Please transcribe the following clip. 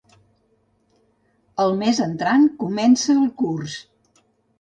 El mes entrant comença el curs.